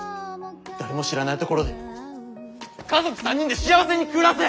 誰も知らないところで家族３人で幸せに暮らせ！